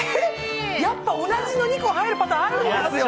やっぱ同じの２個入るパターンあるんですよ。